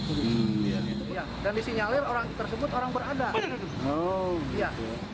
dan disinyalir orang tersebut orang berada